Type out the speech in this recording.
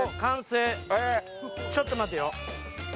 ちょっと待てよ。